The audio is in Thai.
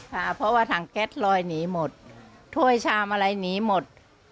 ค่ะเพราะว่าถังแก๊สลอยหนีหมดถ้วยชามอะไรหนีหมด